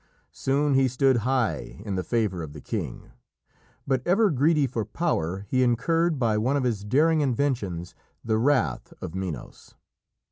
Soon he stood high in the favour of the king, but, ever greedy for power, he incurred, by one of his daring inventions, the wrath of Minos.